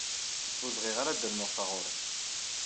Ur bɣiɣ ara ad rnuɣ taɣuṛi.